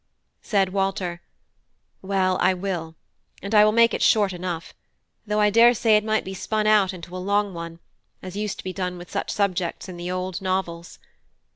Said Walter: "Well, I will; and I will make it short enough, though I daresay it might be spun out into a long one, as used to be done with such subjects in the old novels.